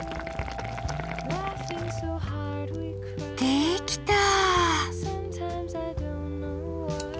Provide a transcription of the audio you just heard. できた！